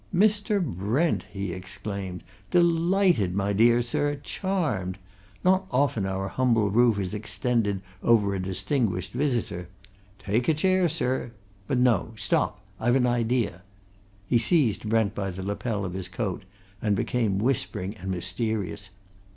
"Mr. Brent!" he exclaimed. "Delighted, my dear sir, charmed! Not often our humble roof is extended over a distinguished visitor. Take a chair, sir but no! stop! I've an idea." He seized Brent by the lapel of his coat and became whispering and mysterious.